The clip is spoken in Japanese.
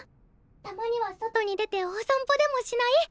たまには外に出てお散歩でもしない？